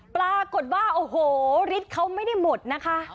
ปรากฏว่าโอ้โหฤทธิ์เขาไม่ได้หมดนะคะ